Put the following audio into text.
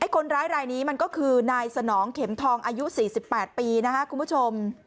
คนร้ายรายนี้มันก็คือนายสนองเข็มทองอายุ๔๘ปีนะครับคุณผู้ชม